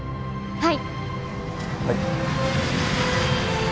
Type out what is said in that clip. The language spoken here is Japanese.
はい。